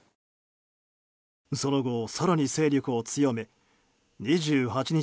その後、更に勢力を強め２８日